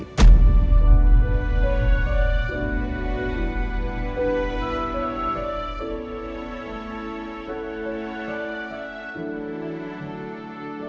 aku akan menanggungmu